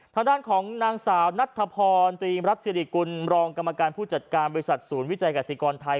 ทางด้านของนางสาวนัทธพรตรีมรัฐสิริกุลรองกรรมการผู้จัดการบริษัทศูนย์วิจัยกษิกรไทย